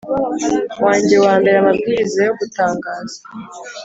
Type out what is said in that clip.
wanjye wa mbere amabwiriza yo gutangaza